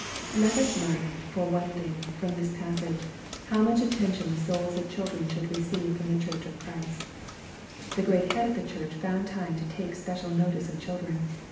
Let us learn, for one thing, from this passage, how much attention the souls of children should receive from the Church of Christ, The Great Head of the Church found time to take special notice of ?hildren.